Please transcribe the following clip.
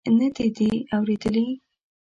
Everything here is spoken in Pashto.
نه دې دي اورېدلي.